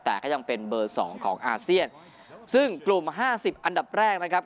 แต่ก็ยังเป็นเบอร์สองของอาเซียนซึ่งกลุ่มห้าสิบอันดับแรกนะครับ